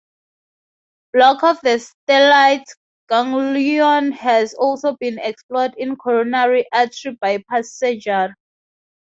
Block of the stellate ganglion has also been explored in coronary artery bypass surgery.